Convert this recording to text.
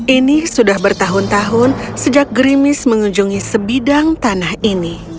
ini sudah bertahun tahun sejak grimis mengunjungi sebidang tanah ini